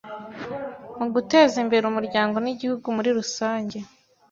mu guteza imbere umuryango n’igihugu muri rusange